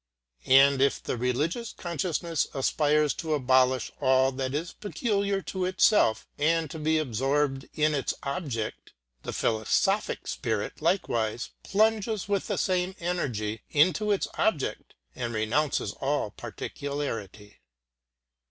And if the religious consciousness aspires to abolish all that is peculiar to itself and to be absorbed in its object, the philosophic spirit likewise plunges with the same energy into its object and renounces all particularity.